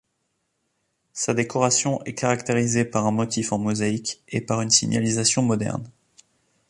Sa décoration est caractérisée par un motif en mosaïque, et par une signalisation moderne.